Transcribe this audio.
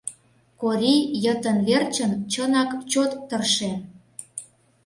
Кори йытын верчын чынак чот тыршен.